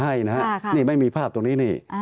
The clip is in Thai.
ตั้งแต่เริ่มมีเรื่องแล้ว